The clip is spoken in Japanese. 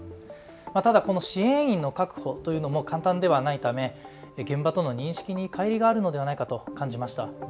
ただこの支援員の確保も簡単ではないため現場との認識にかい離があるのではないかと感じました。